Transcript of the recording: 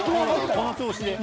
［この調子で］